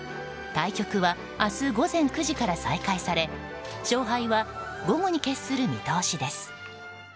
対局は明日午前９時から再開され勝敗は午後に決する見通しです。